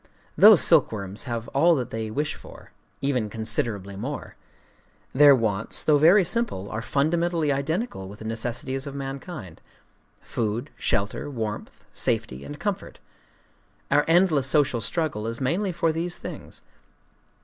Those silkworms have all that they wish for,—even considerably more. Their wants, though very simple, are fundamentally identical with the necessities of mankind,—food, shelter, warmth, safety, and comfort. Our endless social struggle is mainly for these things.